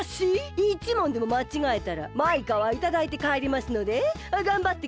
１問でもまちがえたらマイカはいただいてかえりますのでがんばってください。